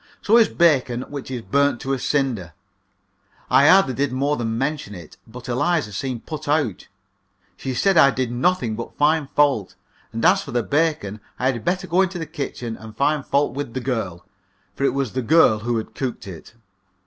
So is bacon which is burnt to a cinder. I hardly did more than mention it, but Eliza seemed put out; she said I did nothing but find fault, and as for the bacon, I had better go into the kitchen and find fault with the girl, for it was the girl who had cooked it.